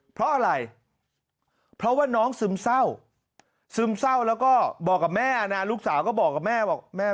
เพราะอะไรเพราะว่าน้องซึมเศร้าซึมเศร้าแล้วก็บอกกับแม่นะลูกสาวก็บอกกับแม่บอกแม่